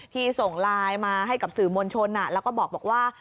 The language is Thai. ส่งไลน์มาให้กับสื่อมวลชนแล้วก็บอกว่า